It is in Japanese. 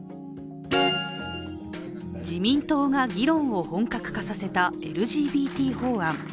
自民党が議論を本格化させたＬＧＢＴ法案。